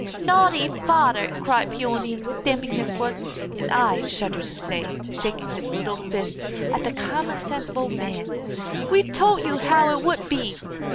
"Naughty father!" cried Peony, stamping his foot, and I shudder to say shaking his little fist at the common sensible man. "We told you how it would be!